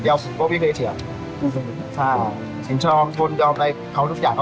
เขาบทผมแค่เดี๋ยว๑๓เพราะว่าผมไม่เคยเถียง